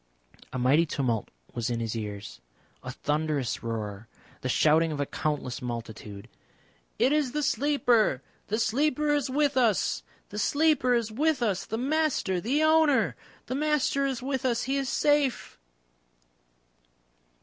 A mighty tumult was in his ears, a thunderous roar, the shouting of a countless multitude. "It is the Sleeper! The Sleeper is with us!" "The Sleeper is with us! The Master the Owner! The Master is with us. He is safe."